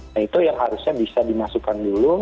nah itu yang harusnya bisa dimasukkan dulu